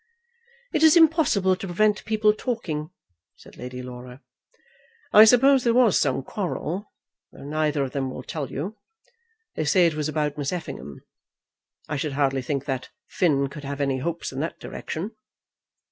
"It is impossible to prevent people talking," said Lady Laura. "I suppose there was some quarrel, though neither of them will tell you. They say it was about Miss Effingham. I should hardly think that Finn could have any hopes in that direction."